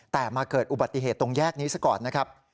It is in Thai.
แต่มาเกิดอุบัติเหตุตรงแยกนี้ซะก่อนนะครับ